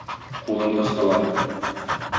Кулын кыстылар.